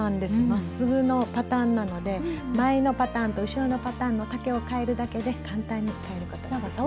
まっすぐのパターンなので前のパターンと後ろのパターンの丈をかえるだけで簡単にかえることができます。